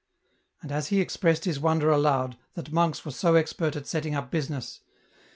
And as he expressed his wonder aloud, that monks were io expert at setting up business, EN ROUTE.